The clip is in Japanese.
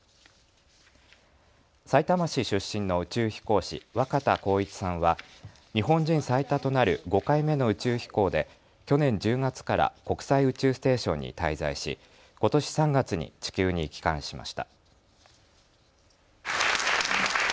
さいたま市出身の宇宙飛行士、若田光一さんは日本人最多となる５回目の宇宙飛行で去年１０月から国際宇宙ステーションに滞在し、ことし３月に地球に帰還しました。